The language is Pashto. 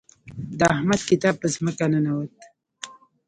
د احمد کتاب په ځمکه ننوت.